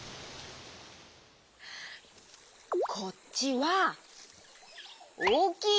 こっちはおおきい！